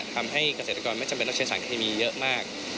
ทำให้เกษตรกรไม่จำเป็นต้องใช้สารเคมีเยอะมาก